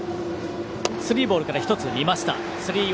スリーボールから１つ見ました。